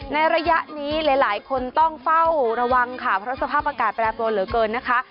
ระยะนี้หลายคนต้องเฝ้าระวังค่ะเพราะสภาพอากาศแปรปรวนเหลือเกินนะคะ